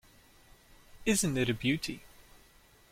Isn't it a beauty?